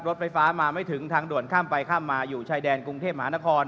รถไฟฟ้ามาไม่ถึงทางด่วนข้ามไปข้ามมาอยู่ชายแดนกรุงเทพมหานคร